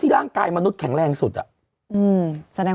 มีสารตั้งต้นเนี่ยคือยาเคเนี่ยใช่ไหมคะ